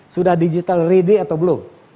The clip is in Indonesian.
sudah digital ready atau belum